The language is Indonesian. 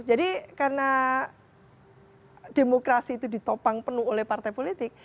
jadi karena demokrasi itu ditopang penuh oleh partai politik